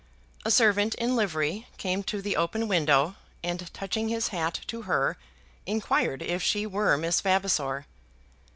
A servant in livery came to the open window, and touching his hat to her, inquired if she were Miss Vavasor.